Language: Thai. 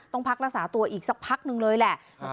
ต้องพักรักษาตัวอีกสักพักนึงเลยแหละ